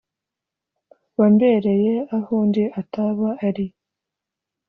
Wambereye ahundi ataba ari